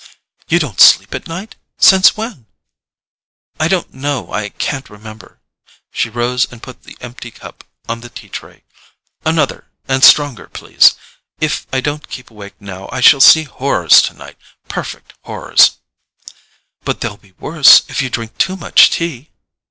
"You don't sleep at night? Since when?" "I don't know—I can't remember." She rose and put the empty cup on the tea tray. "Another, and stronger, please; if I don't keep awake now I shall see horrors tonight—perfect horrors!" "But they'll be worse if you drink too much tea."